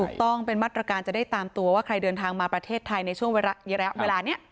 ถูกต้องเป็นมาตรการจะได้ตามตัวว่าใครเดินทางมาประเทศไทยในช่วงเวลานี้